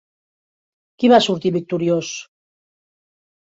Qui va sortir victoriós?